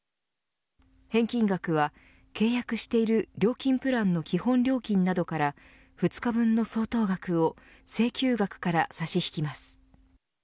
返金額は契約している料金プランの基本料金などから２日分の相当額を請求額から差し引きます。